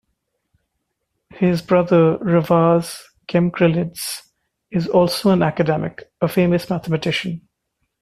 His brother Revaz Gamkrelidze is also an Academic, a famous mathematician.